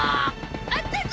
あったゾ！